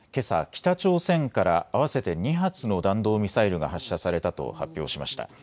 北朝鮮から合わせて２発の弾道ミサイルが発射されたと発表しました。